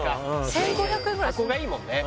１５００円ぐらい箱がいいもんね